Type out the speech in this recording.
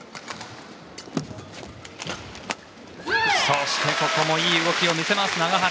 そして、ここもいい動きを見せる永原。